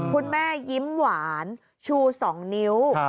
คุณแม่ยิ้มหวานชู๒นิ้ว